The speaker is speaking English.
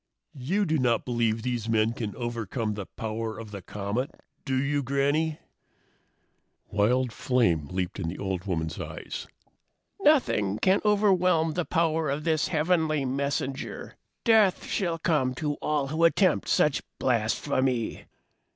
"You do not believe these men can overcome the power of the comet, do you, Granny?" Wild flame leaped in the old woman's eyes. "Nothing can overwhelm the power of this heavenly messenger! Death shall come to all who attempt such blasphemy!"